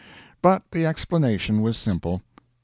But the explanation was simple.